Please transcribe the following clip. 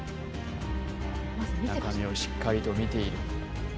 中をしっかりと見ている。